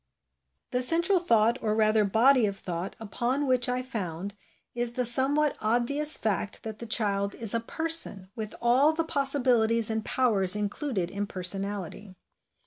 The central thought, or rather body of thought, upon xii PREFACE TO THE * HOME EDUCATION ' SERIES which I found, is the somewhat obvious fact that the child is a person with all the possibilities and powers included in personality.